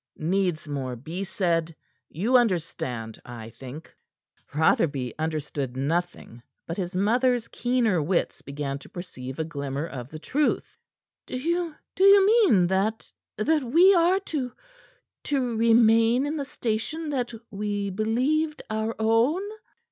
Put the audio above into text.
Needs more be said? You understand, I think." Rotherby understood nothing. But his mother's keener wits began to perceive a glimmer of the truth. "Do you mean that that we are to to remain in the station that we believed our own?"